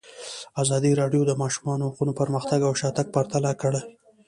ازادي راډیو د د ماشومانو حقونه پرمختګ او شاتګ پرتله کړی.